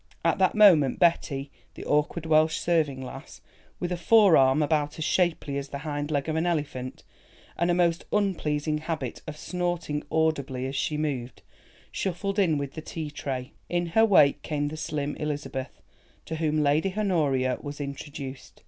At that moment, Betty, the awkward Welsh serving lass, with a fore arm about as shapely as the hind leg of an elephant, and a most unpleasing habit of snorting audibly as she moved, shuffled in with the tea tray. In her wake came the slim Elizabeth, to whom Lady Honoria was introduced.